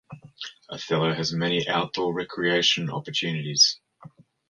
Othello has many outdoor recreation opportunities.